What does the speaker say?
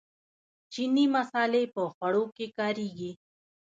چیني مسالې په خوړو کې کاریږي.